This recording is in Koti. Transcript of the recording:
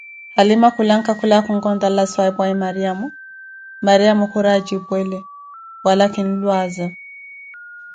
Halima khulanka khulawa onkontarela swahiphu'awe Mariamo, Mariamo khuri atjipwele wala kinlwaza